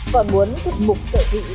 còn muốn thuộc mục sở hữu